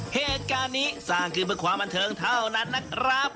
เหตุการณ์นี้สร้างขึ้นเพื่อความบันเทิงเท่านั้นนะครับ